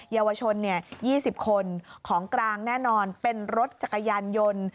เยาวชน๒๐คนของกลางแน่นอนเป็นรถจักรยานยนต์